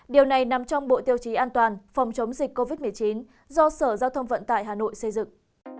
điều này nằm trong bộ tiêu chí an toàn phòng chống dịch covid một mươi chín do sở giao thông vận tải hà nội xây dựng